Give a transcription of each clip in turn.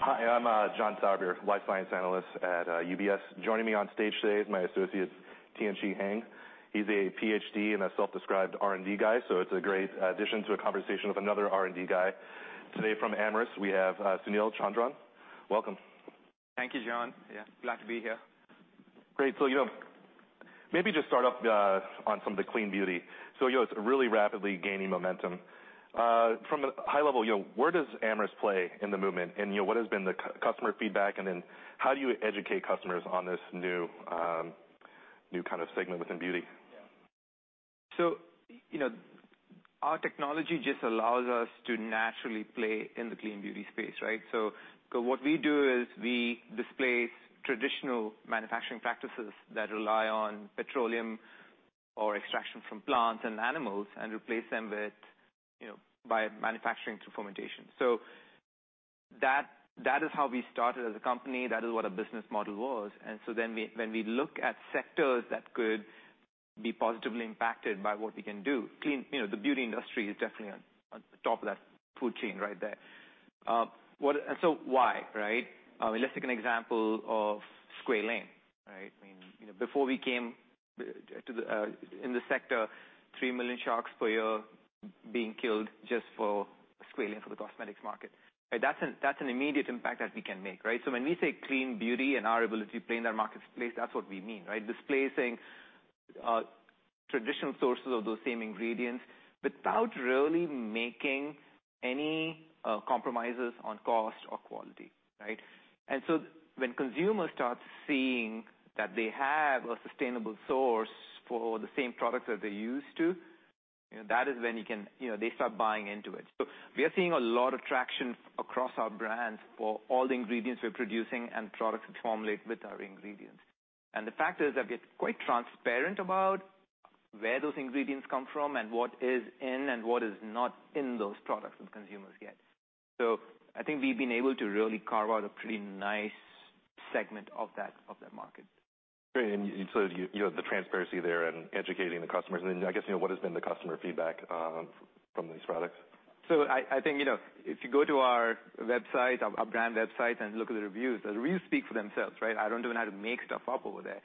Hi, I'm John Sourbeer, life science analyst at UBS. Joining me on stage today is my associate, Tianchi Heng. He's a PhD and a self-described R&D guy, so it's a great addition to a conversation with another R&D guy. Today from Amyris, we have Sunil Chandran. Welcome. Thank you, John. Yeah, glad to be here. Great. So maybe just start off on some of the clean beauty. So it's really rapidly gaining momentum. From a high level, where does Amyris play in the movement? And what has been the customer feedback? And then how do you educate customers on this new kind of segment within beauty? So our technology just allows us to naturally play in the clean beauty space, right? So what we do is we displace traditional manufacturing practices that rely on petroleum or extraction from plants and animals and replace them by manufacturing through fermentation. So that is how we started as a company. That is what our business model was. And so then when we look at sectors that could be positively impacted by what we can do, the beauty industry is definitely on top of that food chain right there. And so why, right? Let's take an example of squalene, right? I mean, before we came in the sector, three million sharks per year being killed just for squalene for the cosmetics market. That's an immediate impact that we can make, right? So when we say clean beauty and our ability to play in that market space, that's what we mean, right? Displacing traditional sources of those same ingredients without really making any compromises on cost or quality, right? And so when consumers start seeing that they have a sustainable source for the same products that they're used to, that is when they start buying into it. So we are seeing a lot of traction across our brands for all the ingredients we're producing and products we formulate with our ingredients. And the fact is that we are quite transparent about where those ingredients come from and what is in and what is not in those products that consumers get. So I think we've been able to really carve out a pretty nice segment of that market. Great. And so the transparency there and educating the customers. And then I guess what has been the customer feedback from these products? So I think if you go to our website, our brand website, and look at the reviews, the reviews speak for themselves, right? I don't even have to make stuff up over there.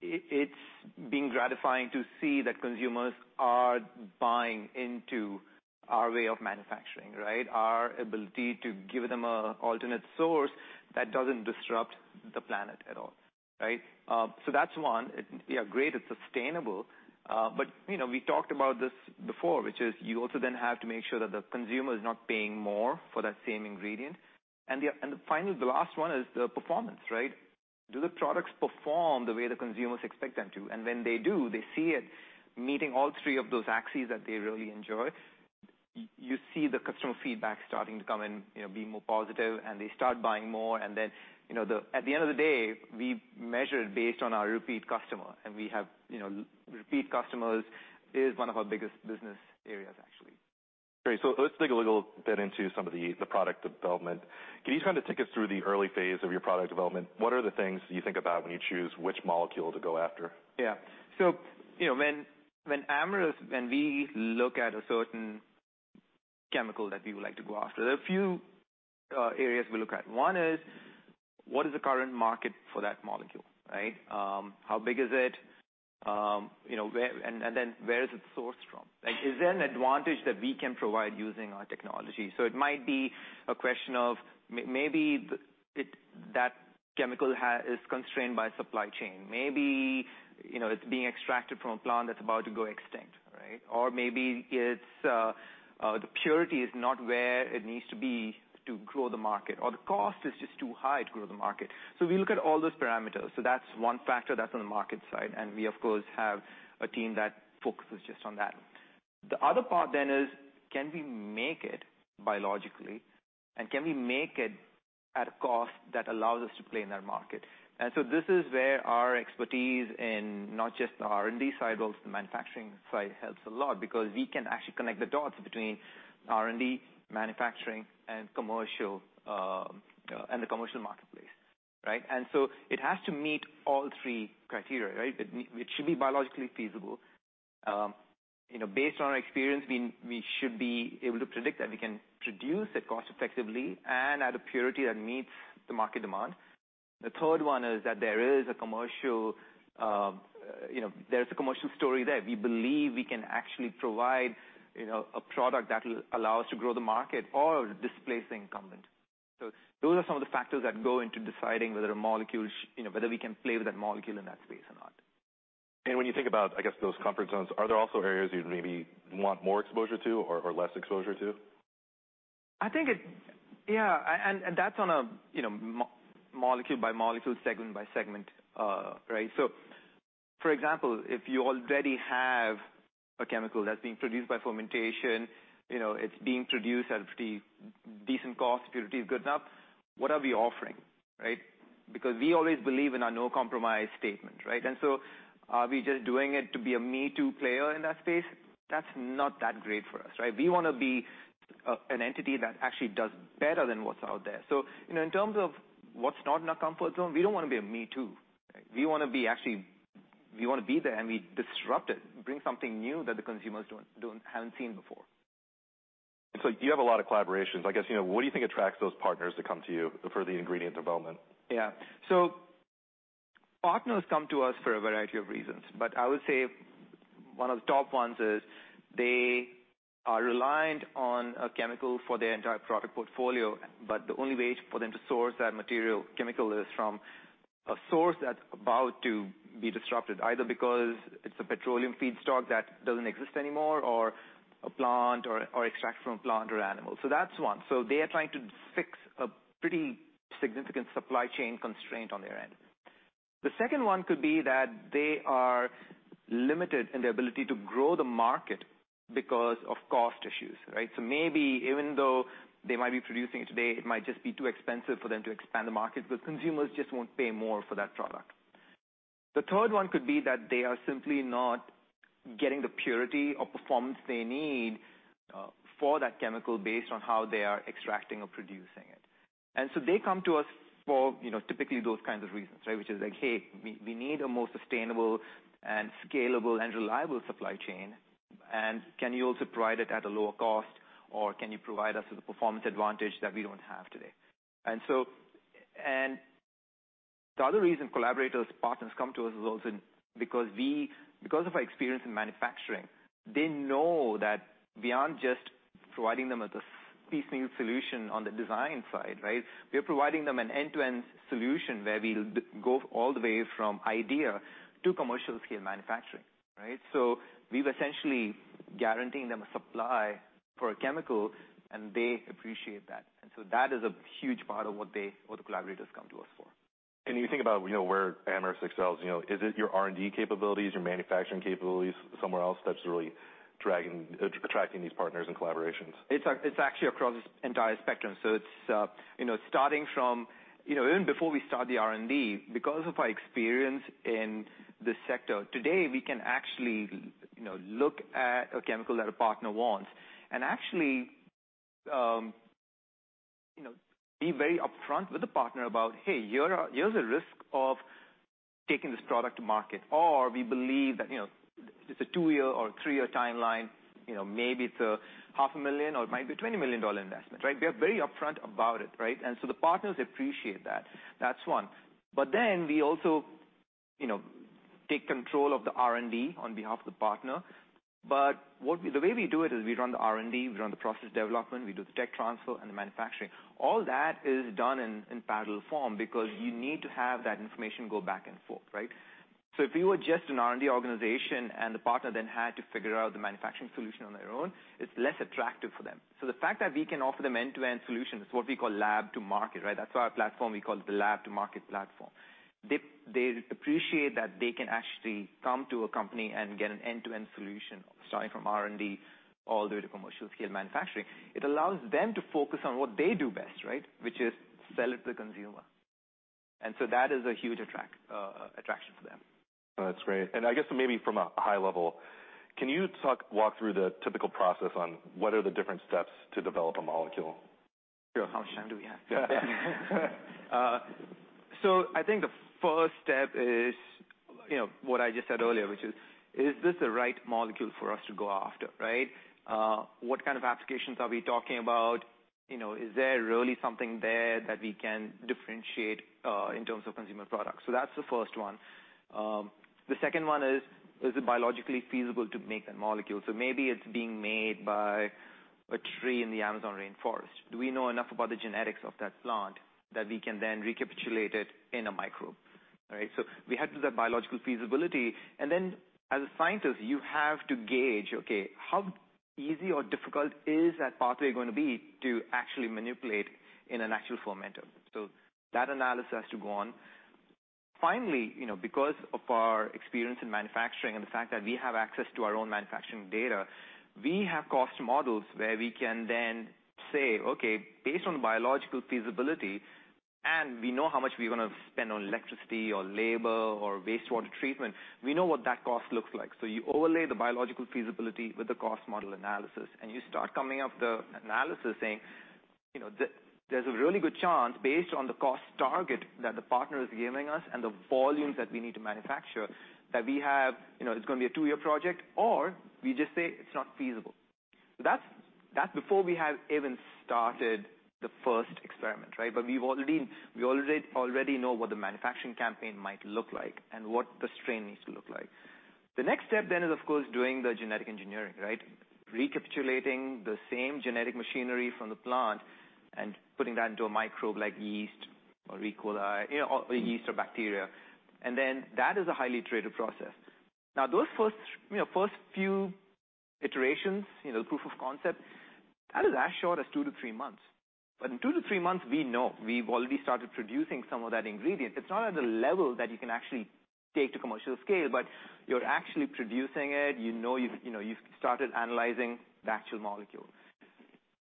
It's been gratifying to see that consumers are buying into our way of manufacturing, right? Our ability to give them an alternate source that doesn't disrupt the planet at all, right? So that's one. Yeah, great. It's sustainable. But we talked about this before, which is you also then have to make sure that the consumer is not paying more for that same ingredient. And the last one is the performance, right? Do the products perform the way the consumers expect them to? And when they do, they see it meeting all three of those axes that they really enjoy. You see the customer feedback starting to come in, being more positive, and they start buying more. Then at the end of the day, we measure it based on our repeat customer. We have repeat customers is one of our biggest business areas, actually. Great. So let's dig a little bit into some of the product development. Can you kind of take us through the early phase of your product development? What are the things you think about when you choose which molecule to go after? Yeah. So when Amyris, when we look at a certain chemical that we would like to go after, there are a few areas we look at. One is what is the current market for that molecule, right? How big is it? And then where is it sourced from? Is there an advantage that we can provide using our technology? So it might be a question of maybe that chemical is constrained by supply chain. Maybe it's being extracted from a plant that's about to go extinct, right? Or maybe the purity is not where it needs to be to grow the market, or the cost is just too high to grow the market. So we look at all those parameters. So that's one factor that's on the market side. And we, of course, have a team that focuses just on that. The other part then is, can we make it biologically? And can we make it at a cost that allows us to play in that market? And so this is where our expertise in not just the R&D side, but also the manufacturing side helps a lot because we can actually connect the dots between R&D, manufacturing, and the commercial marketplace, right? And so it has to meet all three criteria, right? It should be biologically feasible. Based on our experience, we should be able to predict that we can produce it cost-effectively and at a purity that meets the market demand. The third one is that there is a commercial story there. We believe we can actually provide a product that will allow us to grow the market or displace the incumbent. So those are some of the factors that go into deciding whether we can play with that molecule in that space or not. And when you think about, I guess, those comfort zones, are there also areas you'd maybe want more exposure to or less exposure to? I think, yeah. And that's on a molecule by molecule, segment by segment, right? So for example, if you already have a chemical that's being produced by fermentation, it's being produced at a pretty decent cost, purity is good enough, what are we offering, right? Because we always believe in our no compromise statement, right? And so are we just doing it to be a me-too player in that space? That's not that great for us, right? We want to be an entity that actually does better than what's out there. So in terms of what's not in our comfort zone, we don't want to be a me-too. We want to be actually there and we disrupt it, bring something new that the consumers haven't seen before. You have a lot of collaborations. I guess, what do you think attracts those partners to come to you for the ingredient development? Yeah. So partners come to us for a variety of reasons. But I would say one of the top ones is they are reliant on a chemical for their entire product portfolio. But the only way for them to source that chemical is from a source that's about to be disrupted, either because it's a petroleum feedstock that doesn't exist anymore or extracted from a plant or animal. So that's one. So they are trying to fix a pretty significant supply chain constraint on their end. The second one could be that they are limited in their ability to grow the market because of cost issues, right? So maybe even though they might be producing it today, it might just be too expensive for them to expand the market because consumers just won't pay more for that product. The third one could be that they are simply not getting the purity or performance they need for that chemical based on how they are extracting or producing it. And so they come to us for typically those kinds of reasons, right? Which is like, "Hey, we need a more sustainable and scalable and reliable supply chain. And can you also provide it at a lower cost? Or can you provide us with a performance advantage that we don't have today?" And the other reason collaborators, partners come to us is also because of our experience in manufacturing. They know that we aren't just providing them with a piecemeal solution on the design side, right? We are providing them an end-to-end solution where we go all the way from idea to commercial-scale manufacturing, right? So we were essentially guaranteeing them a supply for a chemical, and they appreciate that. That is a huge part of what the collaborators come to us for. You think about where Amyris excels, is it your R&D capabilities, your manufacturing capabilities somewhere else that's really attracting these partners and collaborations? It's actually across this entire spectrum, so it's starting from even before we start the R&D, because of our experience in the sector. Today we can actually look at a chemical that a partner wants and actually be very upfront with the partner about, "Hey, here's a risk of taking this product to market," or, "We believe that it's a two-year or three-year timeline. Maybe it's $500,000 or it might be a $20 million investment," right? We are very upfront about it, right?, and so the partners appreciate that. That's one, but then we also take control of the R&D on behalf of the partner, but the way we do it is we run the R&D, we run the process development, we do the tech transfer, and the manufacturing. All that is done in parallel form because you need to have that information go back and forth, right? So if we were just an R&D organization and the partner then had to figure out the manufacturing solution on their own, it's less attractive for them. So the fact that we can offer them end-to-end solutions is what we call Lab to market, right? That's why our platform, we call it the lab to market platform. They appreciate that they can actually come to a company and get an end-to-end solution starting from R&D all the way to commercial-scale manufacturing. It allows them to focus on what they do best, right? Which is sell it to the consumer. And so that is a huge attraction for them. That's great, and I guess maybe from a high level, can you walk through the typical process on what are the different steps to develop a molecule? How much time do we have? Yeah. So I think the first step is what I just said earlier, which is, is this the right molecule for us to go after, right? What kind of applications are we talking about? Is there really something there that we can differentiate in terms of consumer products? So that's the first one. The second one is, is it biologically feasible to make that molecule? So maybe it's being made by a tree in the Amazon Rainforest. Do we know enough about the genetics of that plant that we can then recapitulate it in a microbe, right? So we have to do that biological feasibility. And then as a scientist, you have to gauge, okay, how easy or difficult is that pathway going to be to actually manipulate in an actual fermenter? So that analysis has to go on. Finally, because of our experience in manufacturing and the fact that we have access to our own manufacturing data, we have cost models where we can then say, "Okay, based on biological feasibility, and we know how much we're going to spend on electricity or labor or wastewater treatment, we know what that cost looks like." So you overlay the biological feasibility with the cost model analysis, and you start coming up with the analysis saying, "There's a really good chance based on the cost target that the partner is giving us and the volumes that we need to manufacture that we have, it's going to be a two-year project," or we just say, "It's not feasible." That's before we have even started the first experiment, right, but we already know what the manufacturing campaign might look like and what the strain needs to look like. The next step then is, of course, doing the genetic engineering, right? Recapitulating the same genetic machinery from the plant and putting that into a microbe like yeast or E. coli or yeast or bacteria. And then that is a highly iterative process. Now, those first few iterations, the proof of concept, that is as short as two to three months. But in two to three months, we know we've already started producing some of that ingredient. It's not at a level that you can actually take to commercial scale, but you're actually producing it. You know you've started analyzing the actual molecule.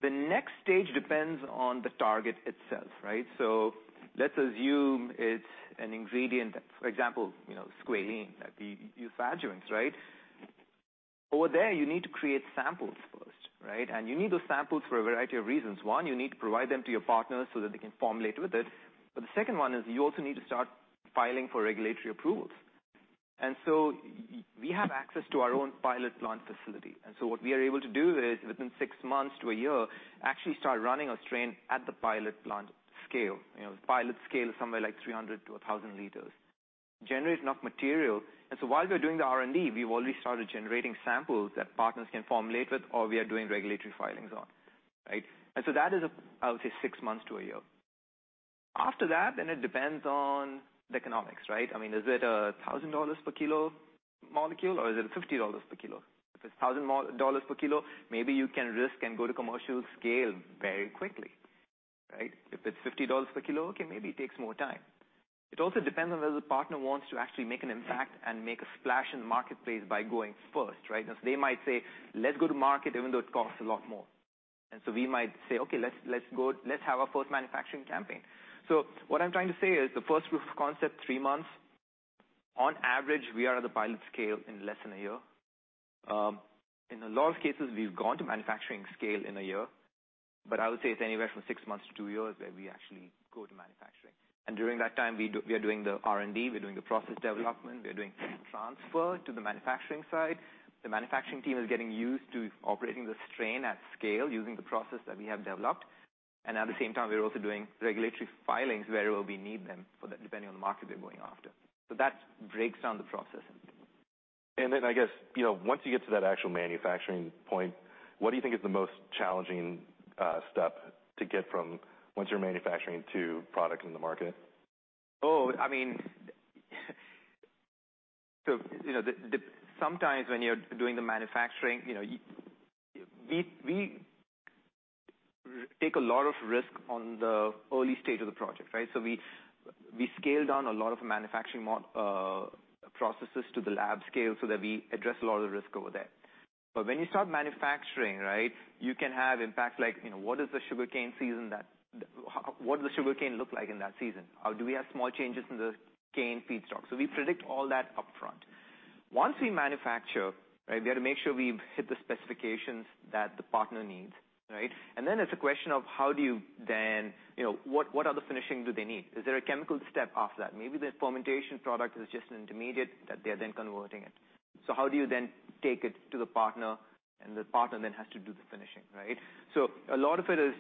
The next stage depends on the target itself, right? So let's assume it's an ingredient that, for example, squalene, that we use adjuvants, right? Over there, you need to create samples first, right? And you need those samples for a variety of reasons. One, you need to provide them to your partners so that they can formulate with it, but the second one is you also need to start filing for regulatory approvals, and so we have access to our own pilot plant facility, and so what we are able to do is within six months to a year, actually start running a strain at the pilot plant scale. Pilot scale is somewhere like 300-1,000 liters. Generate enough material, and so while we're doing the R&D, we've already started generating samples that partners can formulate with or we are doing regulatory filings on, right? That is, I would say, six months to a year. After that, then it depends on the economics, right? I mean, is it a $1,000 per kilo molecule or is it a $50 per kilo? If it's $1,000 per kilo, maybe you can risk and go to commercial scale very quickly, right? If it's $50 per kilo, okay, maybe it takes more time. It also depends on whether the partner wants to actually make an impact and make a splash in the marketplace by going first, right? And so they might say, "Let's go to market even though it costs a lot more." And so we might say, "Okay, let's have our first manufacturing campaign." So what I'm trying to say is the first proof of concept, three months. On average, we are at the pilot scale in less than a year. In a lot of cases, we've gone to manufacturing scale in a year. But I would say it's anywhere from six months to two years where we actually go to manufacturing. And during that time, we are doing the R&D. We're doing the process development. We're doing transfer to the manufacturing side. The manufacturing team is getting used to operating the strain at scale using the process that we have developed. And at the same time, we're also doing regulatory filings wherever we need them depending on the market we're going after, so that breaks down the process. I guess once you get to that actual manufacturing point, what do you think is the most challenging step to get from once you're manufacturing to product in the market? Oh, I mean, so sometimes when you're doing the manufacturing, we take a lot of risk on the early stage of the project, right? So we scale down a lot of manufacturing processes to the lab scale so that we address a lot of the risk over there. But when you start manufacturing, right, you can have impacts like, what is the sugarcane season? What does the sugarcane look like in that season? Do we have small changes in the cane feedstock? So we predict all that upfront. Once we manufacture, right, we have to make sure we hit the specifications that the partner needs, right? And then it's a question of how do you then what other finishing do they need? Is there a chemical step after that? Maybe the fermentation product is just an intermediate that they're then converting it. How do you then take it to the partner and the partner then has to do the finishing, right? So a lot of it is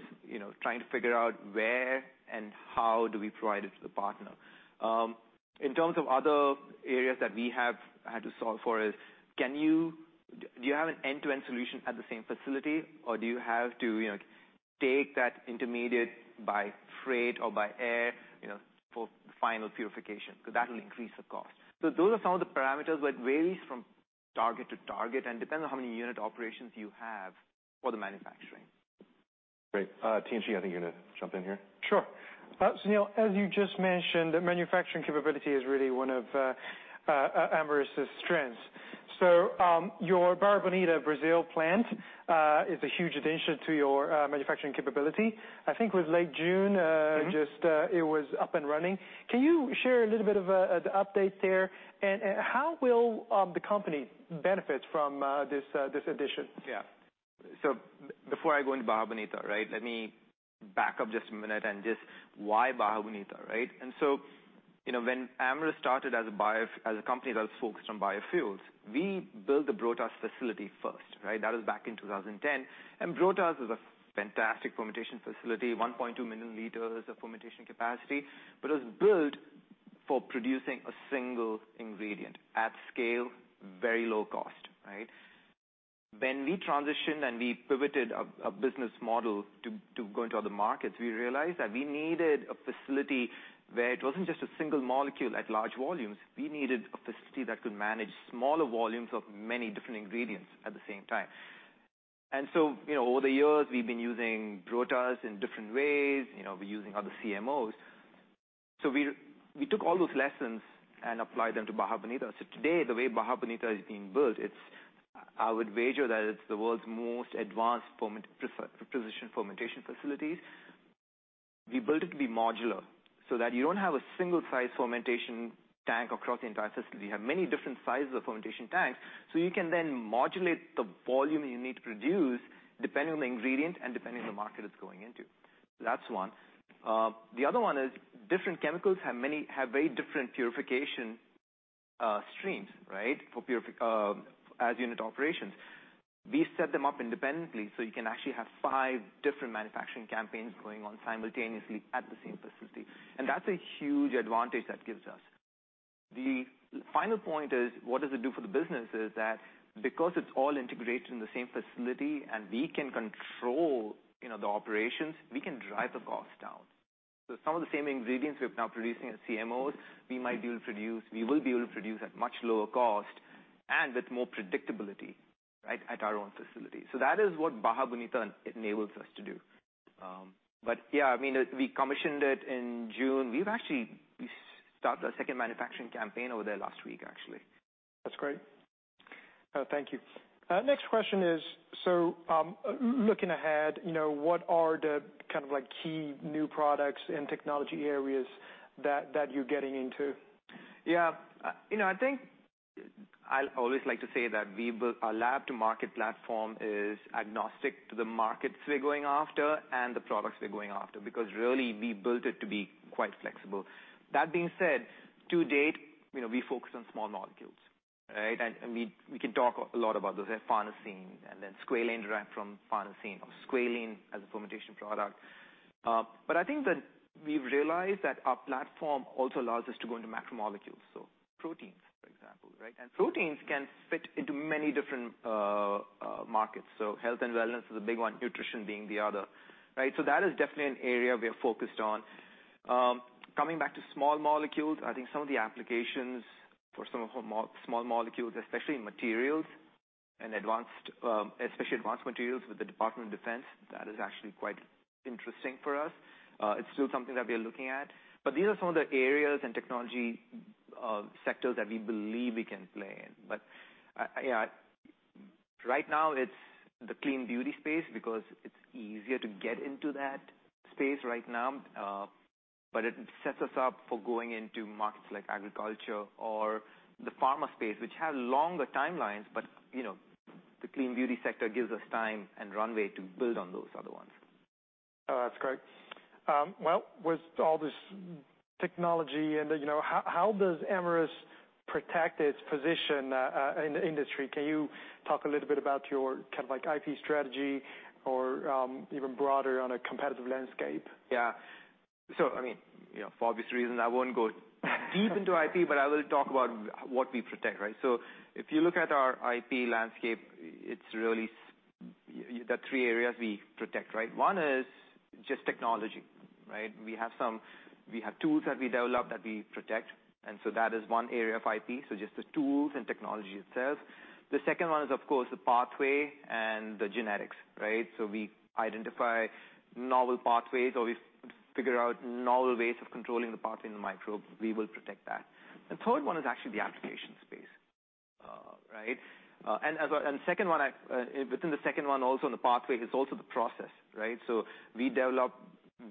trying to figure out where and how do we provide it to the partner. In terms of other areas that we have had to solve for is, do you have an end-to-end solution at the same facility or do you have to take that intermediate by freight or by air for final purification? Because that will increase the cost. So those are some of the parameters that vary from target to target and depend on how many unit operations you have for the manufacturing. Great. Tianchi, I think you're going to jump in here. Sure. So as you just mentioned, the manufacturing capability is really one of Amyris's strengths. So your Barra Bonita, Brazil plant is a huge addition to your manufacturing capability. I think with late June, just it was up and running. Can you share a little bit of the update there? And how will the company benefit from this addition? Yeah. So before I go into Barra Bonita, right, let me back up just a minute and just why Barra Bonita, right? And so when Amyris started as a company that was focused on biofuels, we built the Brotas facility first, right? That was back in 2010. And Brotas is a fantastic fermentation facility, 1.2 million liters of fermentation capacity, but it was built for producing a single ingredient at scale, very low cost, right? When we transitioned and we pivoted a business model to go into other markets, we realized that we needed a facility where it wasn't just a single molecule at large volumes. We needed a facility that could manage smaller volumes of many different ingredients at the same time. And so over the years, we've been using Brotas in different ways. We're using other CMOs. So we took all those lessons and applied them to Barra Bonita. So today, the way Barra Bonita is being built, I would wager that it's the world's most advanced precision fermentation facilities. We built it to be modular so that you don't have a single-size fermentation tank across the entire facility. You have many different sizes of fermentation tanks. So you can then modulate the volume you need to produce depending on the ingredient and depending on the market it's going into. That's one. The other one is different chemicals have very different purification streams, right, as unit operations. We set them up independently so you can actually have five different manufacturing campaigns going on simultaneously at the same facility. And that's a huge advantage that gives us. The final point is, what does it do for the business is that because it's all integrated in the same facility and we can control the operations, we can drive the cost down. So some of the same ingredients we're now producing as CMOs, we will be able to produce at much lower cost and with more predictability, right, at our own facility. So that is what Barra Bonita enables us to do. But yeah, I mean, we commissioned it in June. We've actually started a second manufacturing campaign over there last week, actually. That's great. Thank you. Next question is, so looking ahead, what are the kind of key new products and technology areas that you're getting into? Yeah. I think I'll always like to say that our Lab-to-Market platform is agnostic to the markets we're going after and the products we're going after because really we built it to be quite flexible. That being said, to date, we focus on small molecules, right, and we can talk a lot about those from farnesene and then squalane derived from farnesene or squalane as a fermentation product, but I think that we've realized that our platform also allows us to go into macromolecules, so proteins, for example, right, and proteins can fit into many different markets, so health and wellness is a big one, nutrition being the other, right, so that is definitely an area we are focused on. Coming back to small molecules, I think some of the applications for some of the small molecules, especially materials and advanced, especially advanced materials with the Department of Defense, that is actually quite interesting for us. It's still something that we are looking at. But these are some of the areas and technology sectors that we believe we can play in. But yeah, right now it's the clean beauty space because it's easier to get into that space right now. But it sets us up for going into markets like agriculture or the pharma space, which have longer timelines, but the clean beauty sector gives us time and runway to build on those other ones. Oh, that's great. Well, with all this technology and how does Amyris protect its position in the industry? Can you talk a little bit about your kind of IP strategy or even broader on a competitive landscape? Yeah. So I mean, for obvious reasons, I won't go deep into IP, but I will talk about what we protect, right? So if you look at our IP landscape, it's really the three areas we protect, right? One is just technology, right? We have tools that we develop that we protect. And so that is one area of IP. So just the tools and technology itself. The second one is, of course, the pathway and the genetics, right? So we identify novel pathways or we figure out novel ways of controlling the pathway in the microbe. We will protect that. The third one is actually the application space, right? And second one, within the second one, also in the pathway is also the process, right? So we develop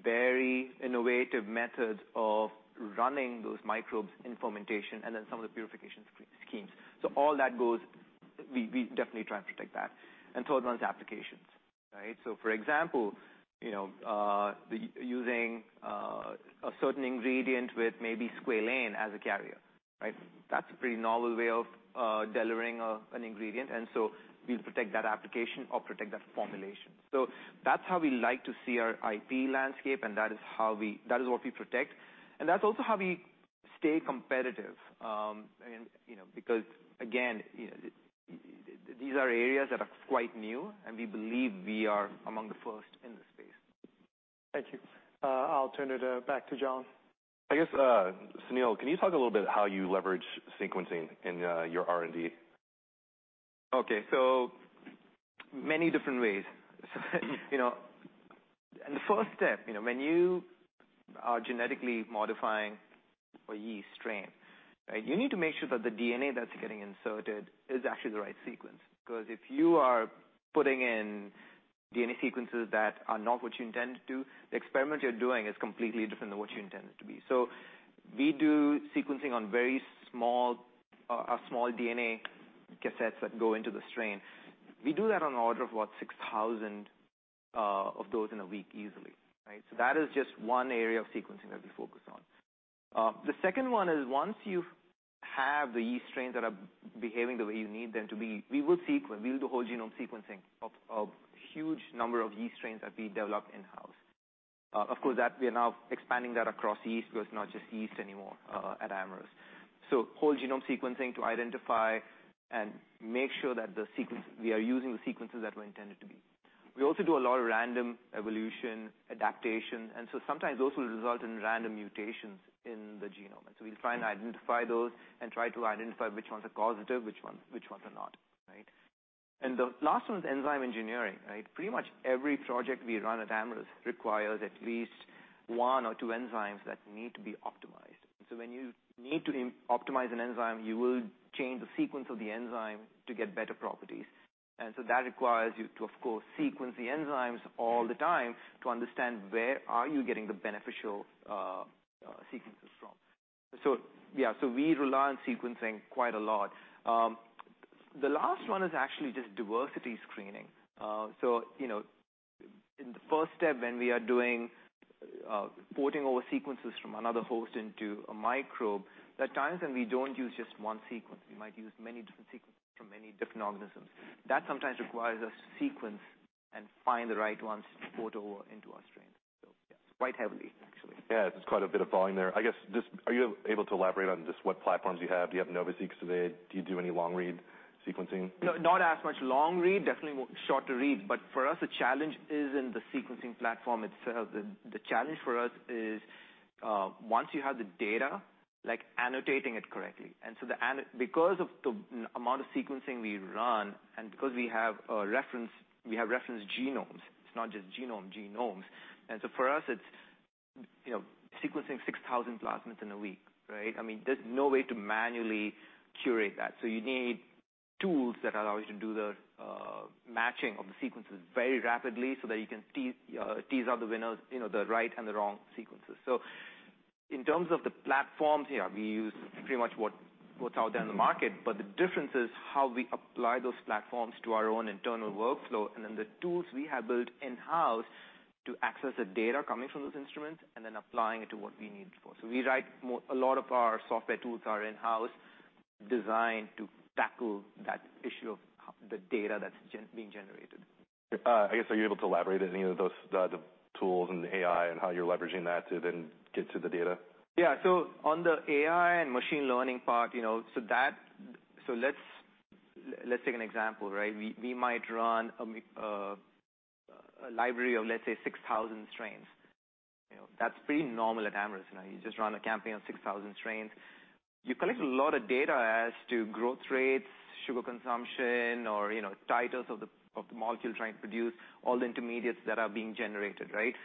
very innovative methods of running those microbes in fermentation and then some of the purification schemes. So all that goes, we definitely try and protect that. And third one is applications, right? So for example, using a certain ingredient with maybe squalane as a carrier, right? That's a pretty novel way of delivering an ingredient. And so we'll protect that application or protect that formulation. So that's how we like to see our IP landscape, and that is what we protect. And that's also how we stay competitive because, again, these are areas that are quite new, and we believe we are among the first in the space. Thank you. I'll turn it back to John. I guess, Sunil, can you talk a little bit about how you leverage sequencing in your R&D? Okay. So many different ways. And the first step, when you are genetically modifying a yeast strain, right, you need to make sure that the DNA that's getting inserted is actually the right sequence. Because if you are putting in DNA sequences that are not what you intend to do, the experiment you're doing is completely different than what you intend it to be. So we do sequencing on very small DNA cassettes that go into the strain. We do that on the order of what, 6,000 of those in a week easily, right? So that is just one area of sequencing that we focus on. The second one is, once you have the yeast strains that are behaving the way you need them to be, we will sequence. We'll do whole genome sequencing of a huge number of yeast strains that we develop in-house. Of course, we are now expanding that across yeast because it's not just yeast anymore at Amyris. So whole genome sequencing to identify and make sure that we are using the sequences that were intended to be. We also do a lot of random evolution adaptation. And so sometimes those will result in random mutations in the genome. And so we'll try and identify those and try to identify which ones are causative, which ones are not, right? And the last one is enzyme engineering, right? Pretty much every project we run at Amyris requires at least one or two enzymes that need to be optimized. And so when you need to optimize an enzyme, you will change the sequence of the enzyme to get better properties. And so that requires you to, of course, sequence the enzymes all the time to understand where are you getting the beneficial sequences from. So yeah, so we rely on sequencing quite a lot. The last one is actually just diversity screening. So in the first step, when we are doing porting over sequences from another host into a microbe, there are times when we don't use just one sequence. We might use many different sequences from many different organisms. That sometimes requires us to sequence and find the right ones to port over into our strain. So yeah, it's quite heavily, actually. Yeah, there's quite a bit of volume there. I guess, are you able to elaborate on just what platforms you have? Do you have NovaSeq today? Do you do any long-read sequencing? Not as much long-read, definitely shorter-read. But for us, the challenge is in the sequencing platform itself. The challenge for us is once you have the data, like annotating it correctly. And so because of the amount of sequencing we run and because we have reference genomes, it's not just genome, genomes. And so for us, it's sequencing 6,000 plasmids in a week, right? I mean, there's no way to manually curate that. So you need tools that allow you to do the matching of the sequences very rapidly so that you can tease out the winners, the right and the wrong sequences. So in terms of the platforms, yeah, we use pretty much what's out there in the market, but the difference is how we apply those platforms to our own internal workflow and then the tools we have built in-house to access the data coming from those instruments and then applying it to what we need for. So we write a lot of our software tools are in-house designed to tackle that issue of the data that's being generated. I guess, are you able to elaborate on any of those tools and AI and how you're leveraging that to then get to the data? Yeah. So on the AI and machine learning part, so let's take an example, right? We might run a library of, let's say, 6,000 strains. That's pretty normal at Amyris. You just run a campaign of 6,000 strains. You collect a lot of data as to growth rates, sugar consumption, or titers of the molecule trying to produce all the intermediates that are being generated, right?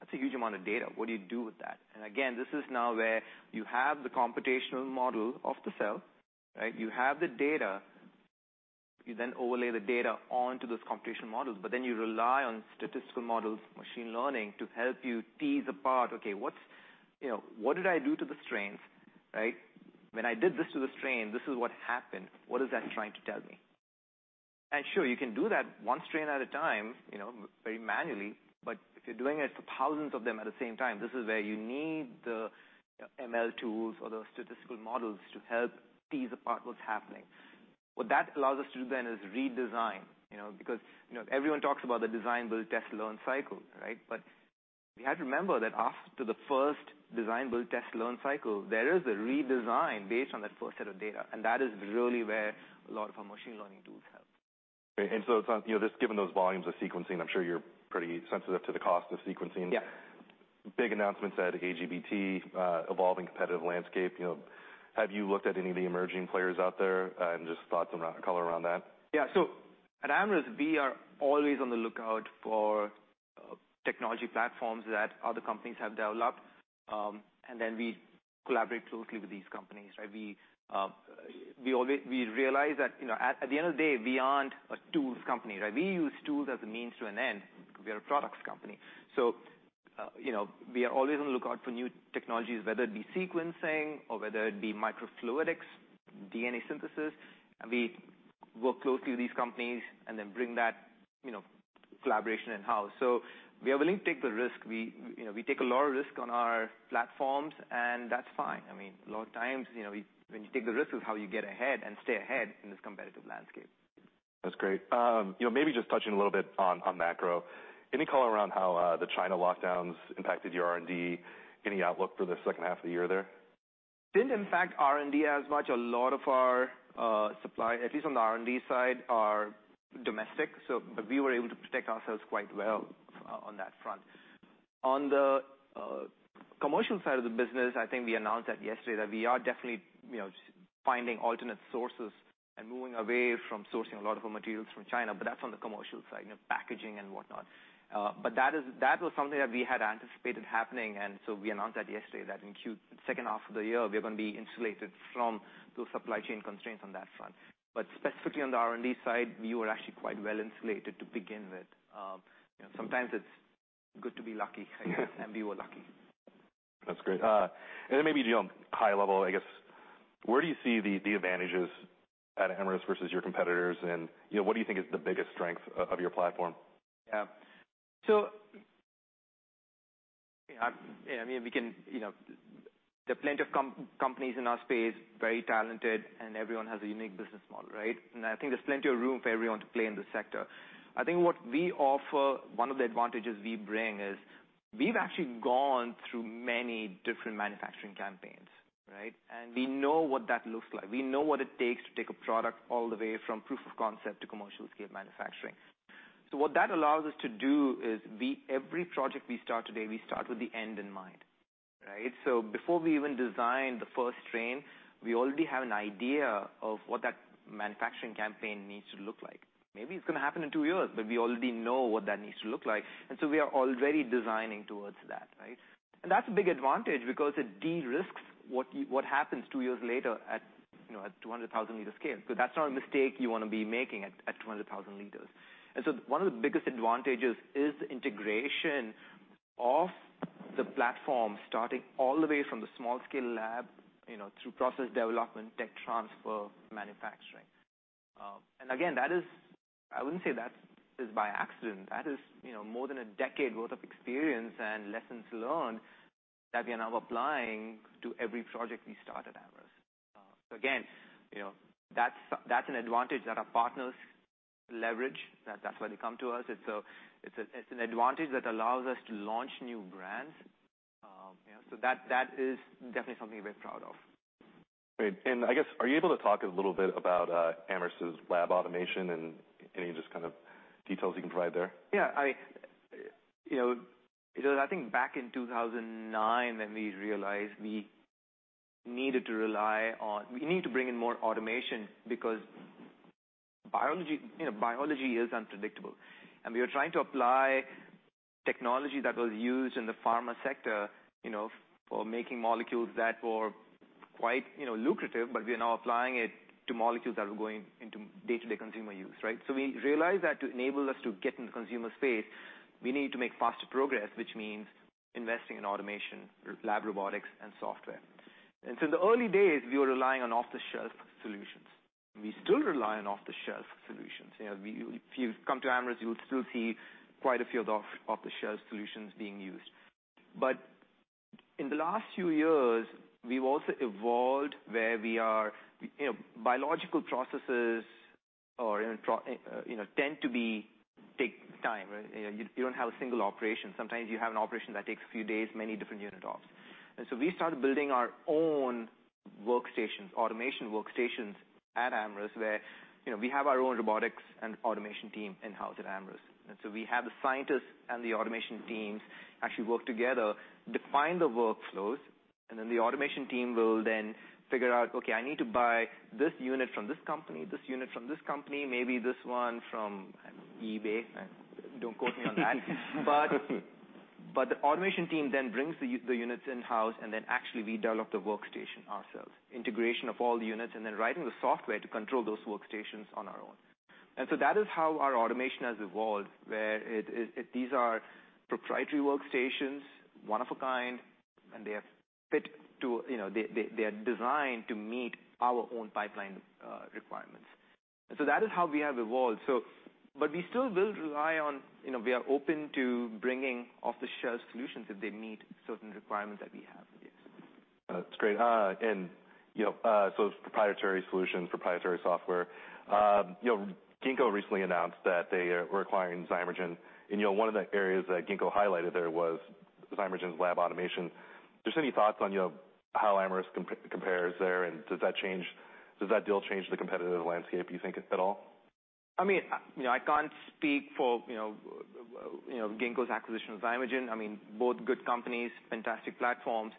That's a huge amount of data. What do you do with that? And again, this is now where you have the computational model of the cell, right? You have the data. You then overlay the data onto those computational models, but then you rely on statistical models, machine learning to help you tease apart, okay, what did I do to the strains, right? When I did this to the strain, this is what happened. What is that trying to tell me? Sure, you can do that one strain at a time, very manually, but if you're doing it for thousands of them at the same time, this is where you need the ML tools or the statistical models to help tease apart what's happening. What that allows us to do then is redesign because everyone talks about the Design-Build-Test-Learn cycle, right?, but we have to remember that after the first Design-Build-Test-Learn cycle, there is a redesign based on that first set of data, and that is really where a lot of our machine learning tools help. And so just given those volumes of sequencing, I'm sure you're pretty sensitive to the cost of sequencing. Yeah. Big announcements at AGBT, evolving competitive landscape. Have you looked at any of the emerging players out there and just thoughts on color around that? Yeah. So at Amyris, we are always on the lookout for technology platforms that other companies have developed. And then we collaborate closely with these companies, right? We realize that at the end of the day, we aren't a tools company, right? We use tools as a means to an end. We are a products company. So we are always on the lookout for new technologies, whether it be sequencing or whether it be microfluidics, DNA synthesis. And we work closely with these companies and then bring that collaboration in-house. So we are willing to take the risk. We take a lot of risk on our platforms, and that's fine. I mean, a lot of times when you take the risk, it's how you get ahead and stay ahead in this competitive landscape. That's great. Maybe just touching a little bit on macro. Any color around how the China lockdowns impacted your R&D? Any outlook for the second half of the year there? Didn't impact R&D as much. A lot of our supply, at least on the R&D side, are domestic, but we were able to protect ourselves quite well on that front. On the commercial side of the business, I think we announced that yesterday that we are definitely finding alternate sources and moving away from sourcing a lot of our materials from China. But that's on the commercial side, packaging and whatnot. But that was something that we had anticipated happening, and so we announced that yesterday that in Q2, second half of the year, we're going to be insulated from those supply chain constraints on that front. But specifically on the R&D side, we were actually quite well insulated to begin with. Sometimes it's good to be lucky, I guess, and we were lucky. That's great. And then maybe high level, I guess, where do you see the advantages at Amyris versus your competitors? And what do you think is the biggest strength of your platform? Yeah, so I mean, there are plenty of companies in our space, very talented, and everyone has a unique business model, right? And I think there's plenty of room for everyone to play in the sector. I think what we offer, one of the advantages we bring is we've actually gone through many different manufacturing campaigns, right? And we know what that looks like. We know what it takes to take a product all the way from proof of concept to commercial-scale manufacturing. So what that allows us to do is every project we start today, we start with the end in mind, right? So before we even design the first strain, we already have an idea of what that manufacturing campaign needs to look like. Maybe it's going to happen in two years, but we already know what that needs to look like. And so we are already designing towards that, right? And that's a big advantage because it de-risks what happens two years later at 200,000-liter scale. Because that's not a mistake you want to be making at 200,000 liters. And so one of the biggest advantages is the integration of the platform starting all the way from the small-scale lab through process development, tech transfer, manufacturing. And again, I wouldn't say that is by accident. That is more than a decade worth of experience and lessons learned that we are now applying to every project we start at Amyris. So again, that's an advantage that our partners leverage. That's why they come to us. It's an advantage that allows us to launch new brands. So that is definitely something we're proud of. Great. And I guess, are you able to talk a little bit about Amyris's lab automation and any just kind of details you can provide there? Yeah. I mean, I think back in 2009, then we realized we needed to bring in more automation because biology is unpredictable. And we were trying to apply technology that was used in the pharma sector for making molecules that were quite lucrative, but we are now applying it to molecules that are going into day-to-day consumer use, right? So we realized that to enable us to get in the consumer space, we need to make faster progress, which means investing in automation, lab robotics, and software. And so in the early days, we were relying on off-the-shelf solutions. We still rely on off-the-shelf solutions. If you come to Amyris, you'll still see quite a few of the off-the-shelf solutions being used. But in the last few years, we've also evolved where biological processes tend to take time, right? You don't have a single operation. Sometimes you have an operation that takes a few days, many different unit ops, and so we started building our own workstations, automation workstations at Amyris where we have our own robotics and automation team in-house at Amyris. And so we have the scientists and the automation teams actually work together, define the workflows, and then the automation team will then figure out, okay, I need to buy this unit from this company, this unit from this company, maybe this one from eBay. Don't quote me on that, but the automation team then brings the units in-house, and then actually we develop the workstation ourselves, integration of all the units, and then writing the software to control those workstations on our own, and so that is how our automation has evolved, where these are proprietary workstations, one of a kind, and they are designed to meet our own pipeline requirements. And so that is how we have evolved. But we still will rely on. We are open to bringing off-the-shelf solutions if they meet certain requirements that we have. That's great. And so proprietary solutions, proprietary software. Ginkgo recently announced that they were acquiring Zymergen. And one of the areas that Ginkgo highlighted there was Zymergen's lab automation. Just any thoughts on how Amyris compares there? And does that deal change the competitive landscape, you think, at all? I mean, I can't speak for Ginkgo's acquisition of Zymergen. I mean, both good companies, fantastic platforms.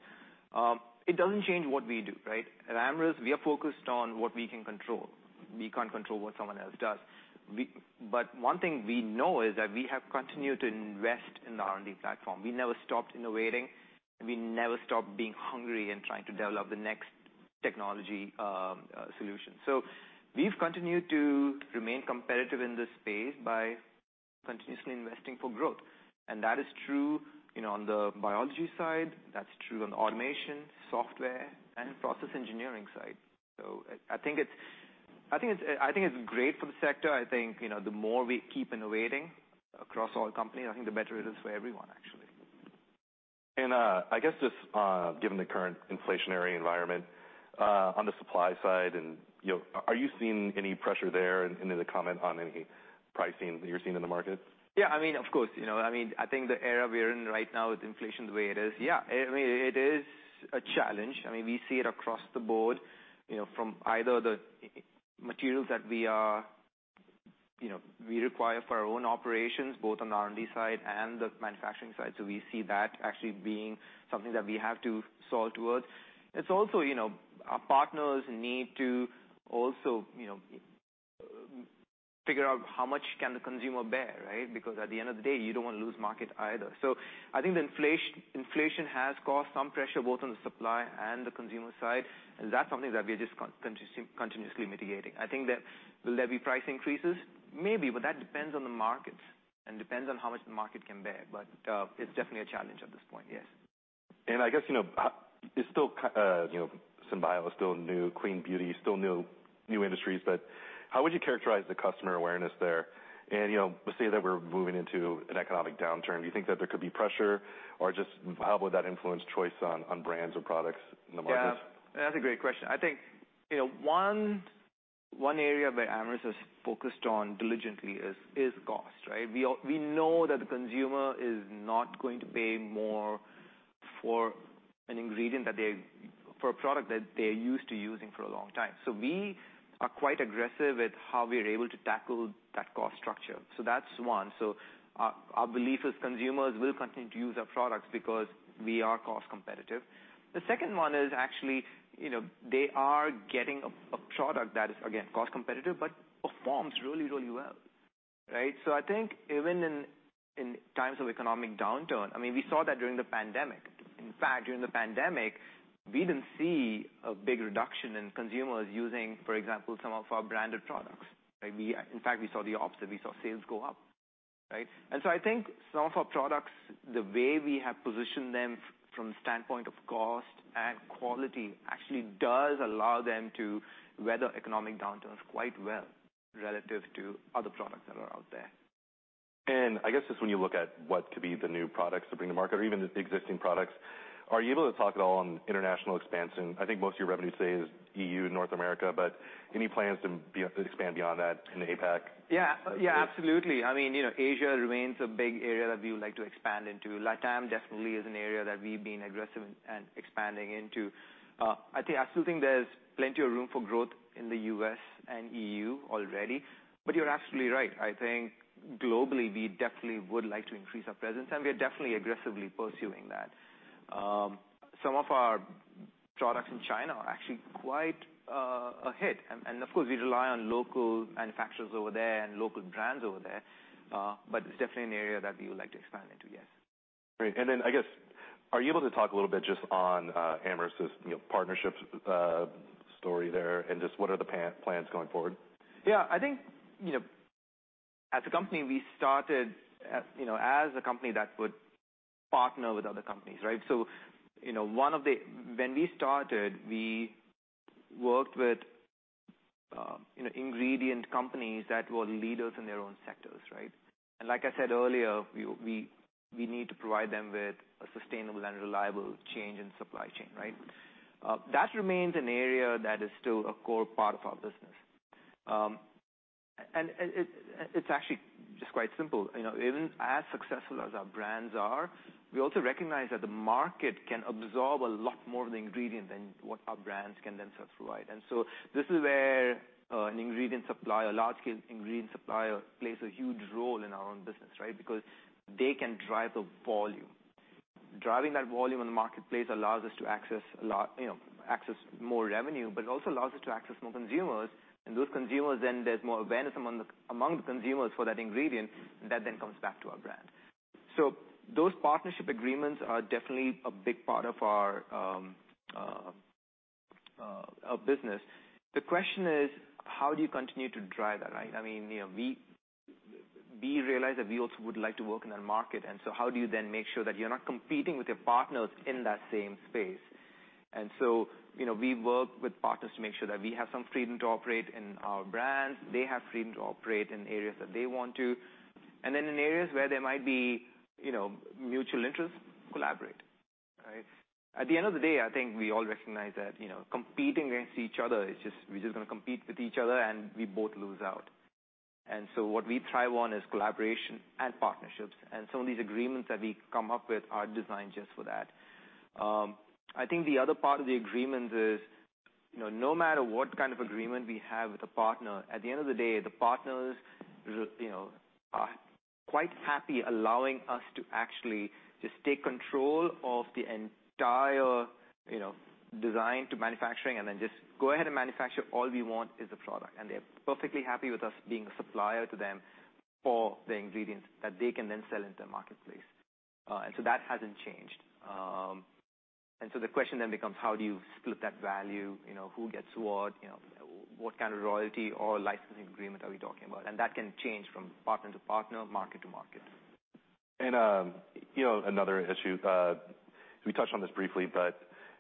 It doesn't change what we do, right? At Amyris, we are focused on what we can control. We can't control what someone else does. But one thing we know is that we have continued to invest in the R&D platform. We never stopped innovating. We never stopped being hungry and trying to develop the next technology solution. So we've continued to remain competitive in this space by continuously investing for growth. And that is true on the biology side. That's true on the automation, software, and process engineering side. So I think it's great for the sector. I think the more we keep innovating across all companies, I think the better it is for everyone, actually. I guess just given the current inflationary environment on the supply side, are you seeing any pressure there and any comment on any pricing that you're seeing in the market? Yeah. I mean, of course. I mean, I think the era we're in right now with inflation the way it is, yeah, I mean, it is a challenge. I mean, we see it across the board from either the materials that we require for our own operations, both on the R&D side and the manufacturing side. So we see that actually being something that we have to solve towards. It's also our partners need to also figure out how much can the consumer bear, right? Because at the end of the day, you don't want to lose market either. So I think the inflation has caused some pressure both on the supply and the consumer side. And that's something that we're just continuously mitigating. I think that will there be price increases? Maybe, but that depends on the markets and depends on how much the market can bear. But it's definitely a challenge at this point, yes. And I guess it's still in bio, still new, Clean Beauty, still new industries, but how would you characterize the customer awareness there? And say that we're moving into an economic downturn, do you think that there could be pressure or just how would that influence choice on brands or products in the market? Yeah. That's a great question. I think one area where Amyris has focused on diligently is cost, right? We know that the consumer is not going to pay more for an ingredient that they use for a product that they're used to using for a long time. So we are quite aggressive with how we are able to tackle that cost structure. So that's one. So our belief is consumers will continue to use our products because we are cost competitive. The second one is actually they are getting a product that is, again, cost competitive, but performs really, really well, right? So I think even in times of economic downturn, I mean, we saw that during the pandemic. In fact, during the pandemic, we didn't see a big reduction in consumers using, for example, some of our branded products. In fact, we saw the opposite. We saw sales go up, right? And so I think some of our products, the way we have positioned them from the standpoint of cost and quality actually does allow them to weather economic downturns quite well relative to other products that are out there. I guess just when you look at what could be the new products to bring to market or even existing products, are you able to talk at all on international expansion? I think most of your revenue today is EU, North America, but any plans to expand beyond that in APAC? Yeah. Yeah, absolutely. I mean, Asia remains a big area that we would like to expand into. LatAm definitely is an area that we've been aggressive in expanding into. I still think there's plenty of room for growth in the U.S. and EU already. But you're absolutely right. I think globally, we definitely would like to increase our presence, and we are definitely aggressively pursuing that. Some of our products in China are actually quite a hit. And of course, we rely on local manufacturers over there and local brands over there. But it's definitely an area that we would like to expand into, yes. Great. And then I guess, are you able to talk a little bit just on Amyris's partnership story there and just what are the plans going forward? Yeah. I think as a company, we started as a company that would partner with other companies, right? So one of the when we started, we worked with ingredient companies that were leaders in their own sectors, right? And like I said earlier, we need to provide them with a sustainable and reliable change in supply chain, right? That remains an area that is still a core part of our business. And it's actually just quite simple. Even as successful as our brands are, we also recognize that the market can absorb a lot more of the ingredient than what our brands can then survive. And so this is where an ingredient supplier, a large-scale ingredient supplier, plays a huge role in our own business, right? Because they can drive the volume. Driving that volume in the marketplace allows us to access more revenue, but it also allows us to access more consumers. And those consumers, then there's more awareness among the consumers for that ingredient that then comes back to our brand. So those partnership agreements are definitely a big part of our business. The question is, how do you continue to drive that, right? I mean, we realize that we also would like to work in that market. And so how do you then make sure that you're not competing with your partners in that same space? And so we work with partners to make sure that we have some freedom to operate in our brands. They have freedom to operate in areas that they want to. And then in areas where there might be mutual interests, collaborate, right? At the end of the day, I think we all recognize that competing against each other, we're just going to compete with each other and we both lose out. And so what we thrive on is collaboration and partnerships. And some of these agreements that we come up with are designed just for that. I think the other part of the agreement is no matter what kind of agreement we have with a partner, at the end of the day, the partners are quite happy allowing us to actually just take control of the entire design to manufacturing and then just go ahead and manufacture. All we want is the product. And they're perfectly happy with us being a supplier to them for the ingredients that they can then sell into the marketplace. And so that hasn't changed. And so the question then becomes, how do you split that value? Who gets what? What kind of royalty or licensing agreement are we talking about? And that can change from partner to partner, market to market. Another issue, we touched on this briefly, but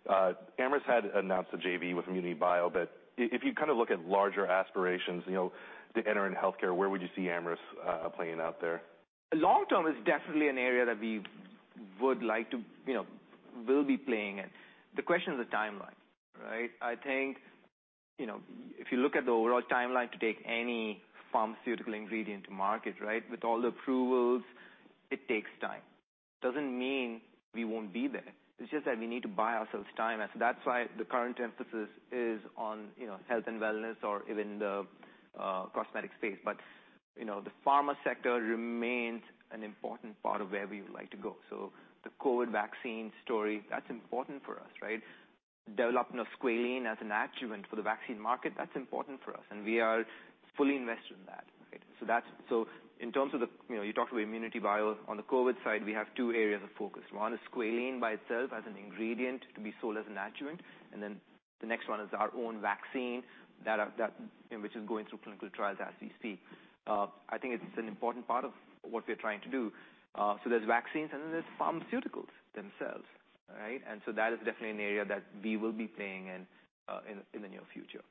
Amyris had announced the JV with ImmunityBio, but if you kind of look at larger aspirations to enter in healthcare, where would you see Amyris playing out there? Long term is definitely an area that we would like to will be playing in. The question is the timeline, right? I think if you look at the overall timeline to take any pharmaceutical ingredient to market, right, with all the approvals, it takes time. Doesn't mean we won't be there. It's just that we need to buy ourselves time. And so that's why the current emphasis is on health and wellness or even the cosmetic space. But the pharma sector remains an important part of where we would like to go. So the COVID vaccine story, that's important for us, right? Developing a squalene as an adjuvant for the vaccine market, that's important for us. And we are fully invested in that, right? So in terms of the you talked about ImmunityBio on the COVID side, we have two areas of focus. One is squalene by itself as an ingredient to be sold as an adjuvant. And then the next one is our own vaccine, which is going through clinical trials as we speak. I think it's an important part of what we're trying to do. So there's vaccines, and then there's pharmaceuticals themselves, right? And so that is definitely an area that we will be playing in the near future.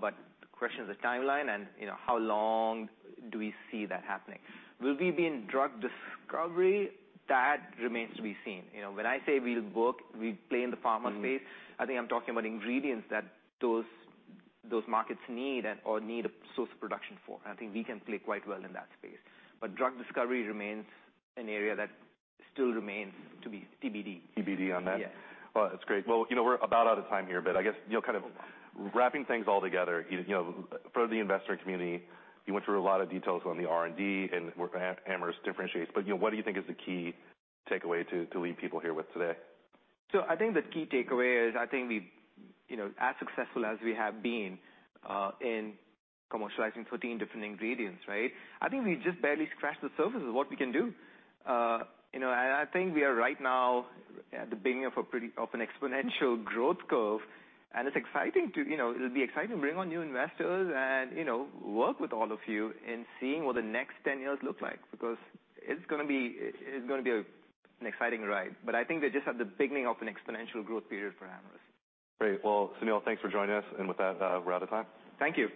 But the question is the timeline and how long do we see that happening? Will we be in drug discovery? That remains to be seen. When I say we'll work, we play in the pharma space, I think I'm talking about ingredients that those markets need or need a source of production for. I think we can play quite well in that space. But drug discovery remains an area that still remains to be TBD. TBD on that. Yeah. That's great. We're about out of time here, but I guess kind of wrapping things all together, for the investor community, you went through a lot of details on the R&D and where Amyris differentiates. But what do you think is the key takeaway to leave people here with today? So I think the key takeaway is, I think we've, as successful as we have been in commercializing 13 different ingredients, right? I think we just barely scratched the surface of what we can do. And I think we are right now at the beginning of an exponential growth curve. And it's exciting. It'll be exciting to bring on new investors and work with all of you in seeing what the next 10 years look like because it's going to be an exciting ride. But I think we're just at the beginning of an exponential growth period for Amyris. Great. Well, Sunil, thanks for joining us. And with that, we're out of time. Thank you.